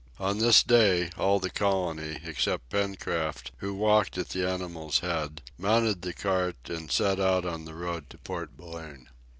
On this day all the colony, except Pencroft who walked at the animals' heads, mounted the cart, and set out on the road to Port Balloon.